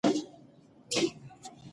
موږ باید د خپلې ژبې اصولو ته احترام وکړو.